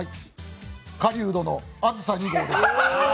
狩人の「あずさ２号」です。